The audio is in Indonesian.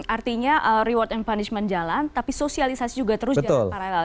artinya reward and punishment jalan tapi sosialisasi juga terus jalan paralel